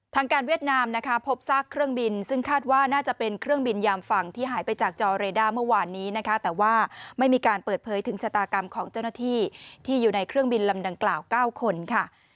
ทางการเวียดนามนะคะพบซากเครื่องบินซึ่งคาดว่าน่าจะเป็นเครื่องบินยามฝั่งที่หายไปจากจอเรด้าเมื่อวานนี้นะคะแต่ว่าไม่มีการเปิดเผยถึงชะตากรรมของเจ้าหน้าที่ที่อยู่ในเครื่องบินลำดังกล่าว๙คนค่ะ